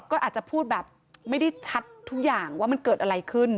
ก็อาจจะพูดแบบไม่ได้ชัดทุกอย่างว่ามันเกิดอะไรขึ้น